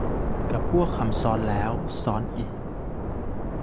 กับพวกคำซ้อนแล้วซ้อนอีก